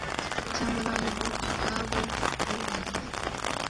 cyangwa ari ayo bo ubwabo bironkeye,